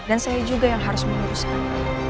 dan saya juga yang harus menuruskan